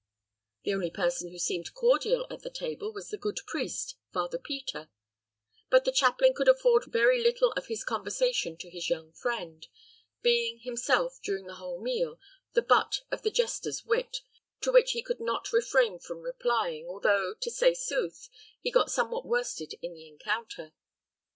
The only person who seemed cordial at the table was the good priest, Father Peter; but the chaplain could afford very little of his conversation to his young friend, being himself, during the whole meal, the butt of the jester's wit, to which he could not refrain from replying, although, to say sooth, he got somewhat worsted in the encounter.